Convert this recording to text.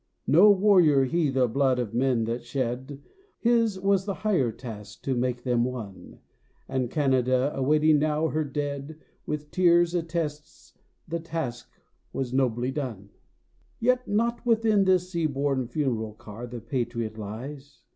No warrior he the blood of men that shed, His was the higher task to make them one, And Canada, awaiting now her dead, With tears attests the task was nobly done. Yet, not within this sea borne funeral car The patriot lies.